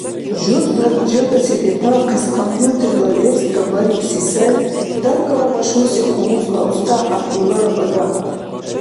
Жуз жагаси бетаахъес компьютерла верстка барибси сай даргала машгьурси къумузла уста ГӀябдулла Рабадановли.